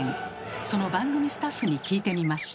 その番組スタッフに聞いてみました。